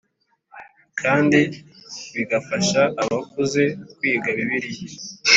kandi bigafasha abakuze kwiga bibiliya